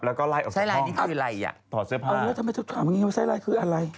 แล้วก็ไล่ออกจากห้องถอดเสื้อผ้าอ๋อแล้วทำไมถึงถามอย่างนี้ว่าไซไลน์คืออะไร